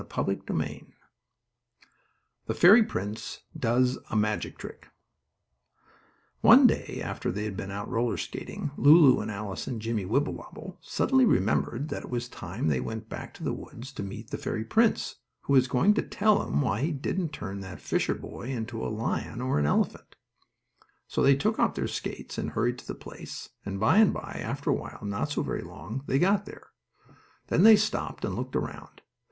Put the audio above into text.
STORY XVIII THE FAIRY PRINCE DOES A MAGIC TRICK One day, after they had been out roller skating, Lulu and Alice and Jimmie Wibblewobble suddenly remembered that it was time they went back to the woods to meet the fairy prince, who was to tell them why he didn't turn that fisher boy into a lion or an elephant. So they took off their skates and hurried to the place, and by and by, after awhile, not so very long, they got there. Then they stopped and looked around.